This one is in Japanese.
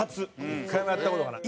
１回もやった事がない。